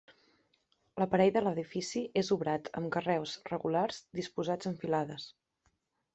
L'aparell de l'edifici és obrat amb carreus regulars disposats en filades.